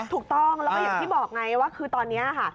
ถูกต้องแล้วก็อย่างที่บอกไงว่าคือตอนนี้ค่ะ